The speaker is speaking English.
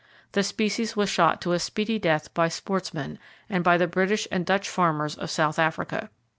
The species was shot to a speedy death by sportsmen, and by the British and Dutch farmers of South Africa.